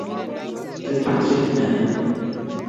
tetutiet ne nin